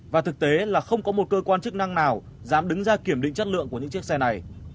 và thực tế là không có một cơ quan chức năng nào dám đứng ra kiểm định chất lượng của những chiếc xe này